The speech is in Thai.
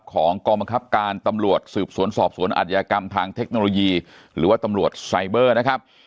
กองบังคับการตำรวจสืบสวนสอบสวนอัธยากรรมทางเทคโนโลยีหรือว่าตำรวจไซเบอร์นะครับ